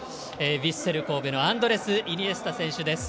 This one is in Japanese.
ヴィッセル神戸のアンドレス・イニエスタ選手です。